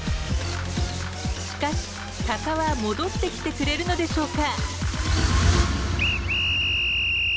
しかし鷹は戻ってきてくれるのでしょうか？